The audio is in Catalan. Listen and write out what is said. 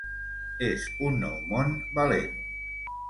És un nou món valent.